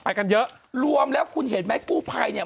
กันเยอะรวมแล้วคุณเห็นไหมกู้ภัยเนี่ย